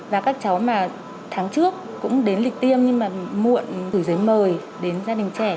và các cháu mà tháng trước cũng đến lịch tiêm nhưng mà muộn gửi giấy mời đến gia đình trẻ